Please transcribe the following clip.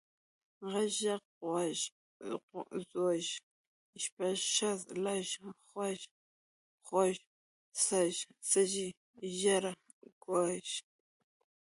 غږ، ږغ، غوَږ، ځوږ، شپږ، شږ، لږ، خوږ، خُوږ، سږ، سږی، ږېره، کوږ،